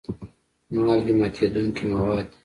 مالګې ماتیدونکي مواد دي.